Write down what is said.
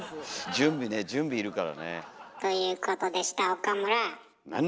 準備ね準備要るからね。ということでした岡村。